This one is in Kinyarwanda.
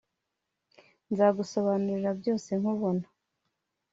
Nzagusobanurira byose nkubona